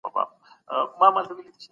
موږ د سياست په اړه نوي معلومات شريک کړي دي.